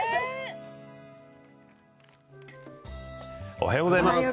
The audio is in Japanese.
おはようございます。